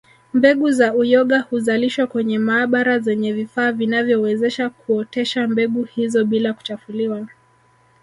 Mbegu za uyoga huzalishwa kwenye maabara zenye vifaa vinavyowezesha kuotesha mbegu hizo bila kuchafuliwa